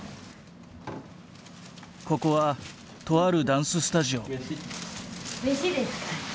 ここはとあるダンススタジオ。